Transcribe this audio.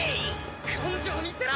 根性見せろ！